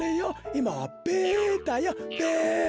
いまはべだよべ。